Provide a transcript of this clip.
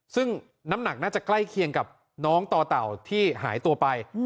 ซึ่งน้ำหนักน่าจะใกล้เคียงกับน้องต่อเต่าที่หายตัวไป